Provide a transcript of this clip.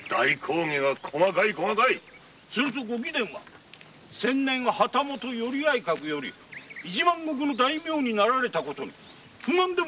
するとご貴殿は先年旗本寄合格より一万石の大名になられた事に不満でもござるのか？